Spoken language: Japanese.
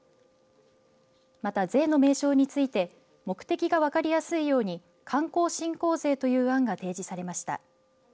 また、税の名称について目的が分かりやすいように観光振興税という案が提示されました。